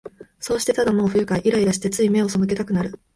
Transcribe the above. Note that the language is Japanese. そうして、ただもう不愉快、イライラして、つい眼をそむけたくなる